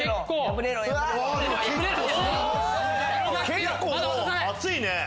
結構もう熱いね。